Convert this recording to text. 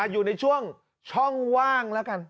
อยู่ในช่วงช่องว่างแล้วกัน